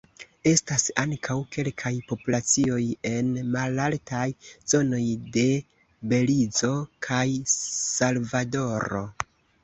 Estas ankaŭ kelkaj populacioj en malaltaj zonoj de Belizo kaj Salvadoro.